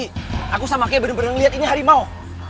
tidak usah kei benar benar lihat ini harimau